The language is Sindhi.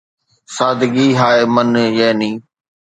سادگي هاءِ مَن، يعني